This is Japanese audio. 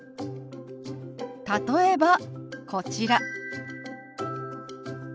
例えばこちら。